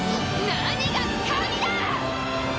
何が神だ！